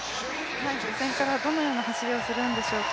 予選からどのような走りをするんでしょうか。